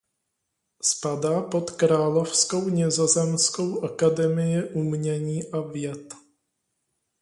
Spadá pod Královskou nizozemskou akademii umění a věd.